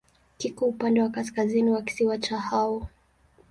Kiko upande wa kaskazini wa kisiwa cha Hao.